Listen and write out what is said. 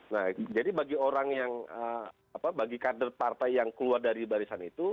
nah jadi bagi orang yang bagi kader partai yang keluar dari barisan itu